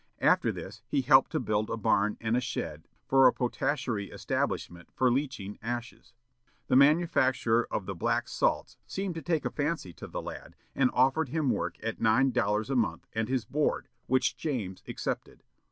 After this he helped to build a barn and a shed for a potashery establishment for leeching ashes. The manufacturer of the "black salts" seemed to take a fancy to the lad, and offered him work at nine dollars a month and his board, which James accepted.